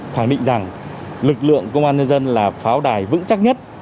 khẳng định rằng lực lượng công an nhân dân là pháo đài vững chắc nhất